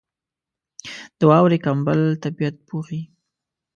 • د واورې کمبل طبیعت پوښي.